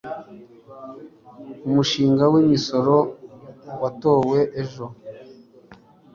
umushinga w'imisoro watowe ejo